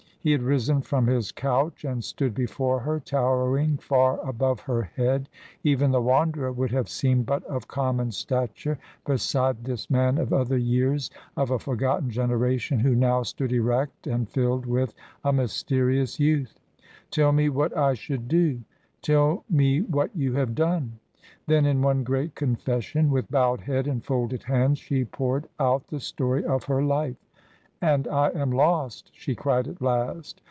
He had risen from his couch and stood before her, towering far above her head. Even the Wanderer would have seemed but of common stature beside this man of other years, of a forgotten generation, who now stood erect and filled with a mysterious youth. "Tell me what I should do " "Tell me what you have done." Then in one great confession, with bowed head and folded hands, she poured out the story of her life. "And I am lost!" she cried at last.